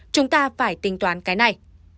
chúng ta phải tính toán cái này